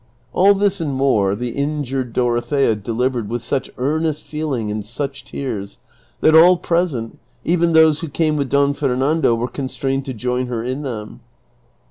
All this and more the injured Dorothea delivered with such earnest feeling and such tears that all present, even those who came with Don Fernando, were constrained to join her in them.